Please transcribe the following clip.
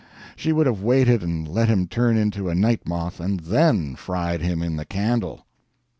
She would have waited and let him turn into a night moth; and then fried him in the candle.